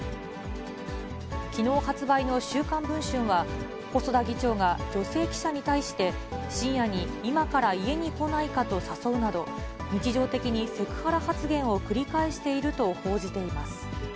きのう発売の週刊文春は、細田議長が女性記者に対して、深夜に今から家に来ないかと誘うなど、日常的にセクハラ発言を繰り返していると報じています。